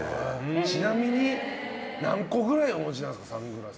ちなみに何個ぐらいお持ちなんですか、サングラス。